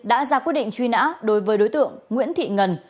đã ra quyết định truy nã đối với đối tượng nguyễn thị ngân